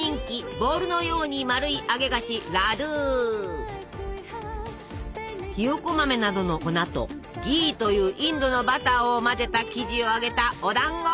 ボールのように丸い揚げ菓子ひよこ豆などの粉と「ギー」というインドのバターを混ぜた生地を揚げたお団子！